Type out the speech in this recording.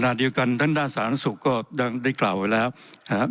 ขณะเดียวกันทั้งด้านสถานศึกษ์ก็ได้กล่าวไว้แล้วนะครับ